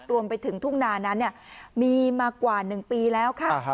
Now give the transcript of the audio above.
รวมไปถึงทุ่งนานั้นมีมากว่า๑ปีแล้วค่ะ